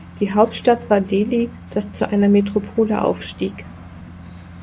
Die Hauptstadt war Delhi, das zu einer Metropole aufstieg.